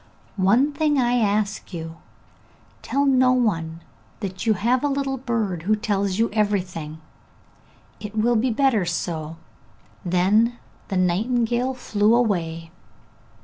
'One thing I ask you! Tell no one that you have a little bird who tells you everything; it will be better so!' Then the nightingale flew away.